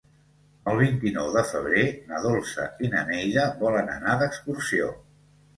El vint-i-nou de febrer na Dolça i na Neida volen anar d'excursió.